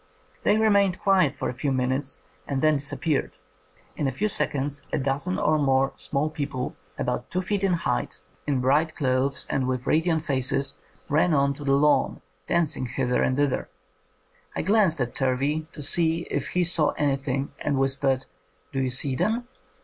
They remained quiet for a few minutes and then disap peared. In a few seconds a dozen or more small people, about two feet in height, in 134 INDEPENDENT EVIDENCE FOR FAIRIES bright clothes and wdth radiant faces, ran on to the lawn, dancing hither and thither. I glanced at Turvey to see if he saw anything, and whispered, 'Do you see them'?'